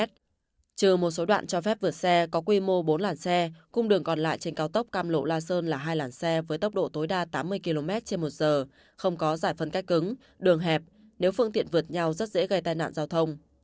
trừ một số đoạn cho phép vượt xe có quy mô bốn làn xe cung đường còn lại trên cao tốc cam lộ la sơn là hai làn xe với tốc độ tối đa tám mươi km trên một giờ không có giải phân cách cứng đường hẹp nếu phương tiện vượt nhau rất dễ gây tai nạn giao thông